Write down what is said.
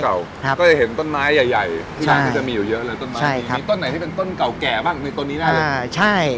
ก็จะเห็นต้นไม้ใหญ่ที่มีอยู่เยอะเลยต้นไม้ที่มีต้นไหนที่เป็นต้นเก่าแก่บ้างในต้นนี้ได้เลย